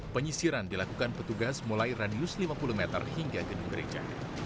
penyisiran dilakukan petugas mulai radius lima puluh meter hingga gedung gereja